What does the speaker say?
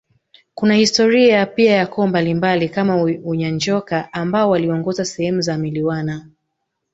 Kuna historia pia ya koo mbalimbali kama Unyanjoka ambao waliongoza sehemu za Wilwana